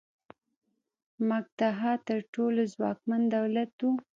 مګدها تر ټولو ځواکمن دولت و.